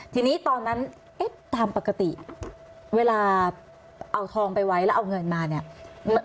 ทีนี้ตอนนั้นเอ๊ะตามปกติเวลาเอาทองไปไว้แล้วเอาเงินมาเนี่ย